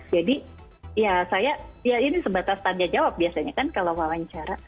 jadi ya ini sebatas tanya jawab biasanya kan kalau wawancara